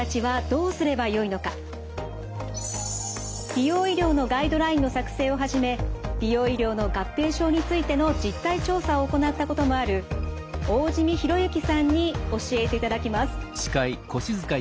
美容医療のガイドラインの作成をはじめ美容医療の合併症についての実態調査を行ったこともある大慈弥裕之さんに教えていただきます。